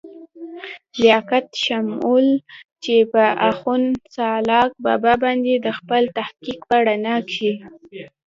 لياقت شمعون، چې پۀ اخون سالاک بابا باندې دَخپل تحقيق پۀ رڼا کښې